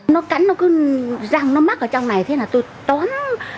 nó cắn nó cứ răng nó mắc ở trong này thế là tôi tón